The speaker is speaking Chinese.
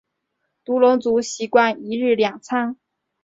独龙族习惯一日两餐。